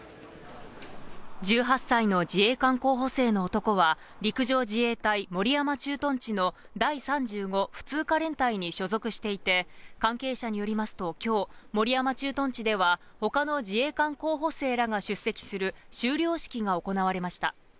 １８歳の自衛官候補生の男は、陸上自衛隊守山駐屯地の第３５普通科連隊に所属していて、関係者によりますと、きょう、守山駐屯地ではほかの自衛官候補生らが出席する修了式が行われました。